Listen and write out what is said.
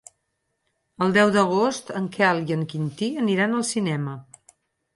El deu d'agost en Quel i en Quintí aniran al cinema.